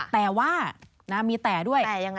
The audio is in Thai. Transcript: แต่ว่ามีแต่ด้วย